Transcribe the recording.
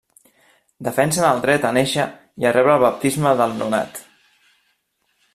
Defensen el dret a néixer i a rebre el baptisme del nonat.